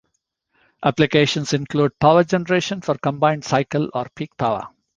Applications include power generation for combined cycle or peak power.